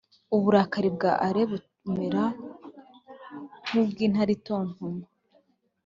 uburakari bw ‘ale bumera nk’ubw’intare itontoma,